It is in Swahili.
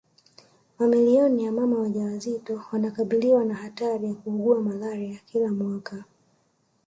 Mamilioni ya mama wajawazito wanakabiliwa na hatari ya kuugua malaria kila mwaka